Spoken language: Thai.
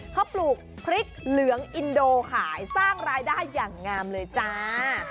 เขาปลูกพริกเหลืองอินโดขายสร้างรายได้อย่างงามเลยจ้า